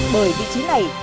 bởi vị trí này